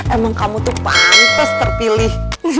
emang kamu tuh pantas terpilih